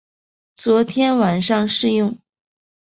昨天晚上试用